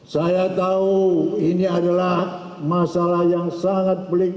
saya tahu ini adalah masalah yang sangat pelik